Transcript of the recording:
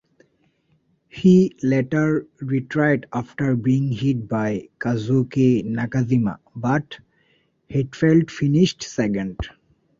He later retired after being hit by Kazuki Nakajima but Heidfeld finished second.